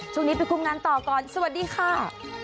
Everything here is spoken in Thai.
ช่วงนี้เป็นกรุงงานต่อกรสวัสดีค่ะ